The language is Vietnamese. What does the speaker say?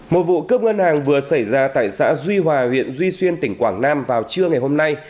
một vụ cướp ngân hàng vừa xảy ra tại xã duy hòa huyện duy xuyên tỉnh quảng nam vào trưa ngày hôm nay